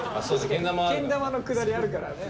けん玉のくだりあるからね。